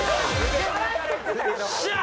よっしゃ！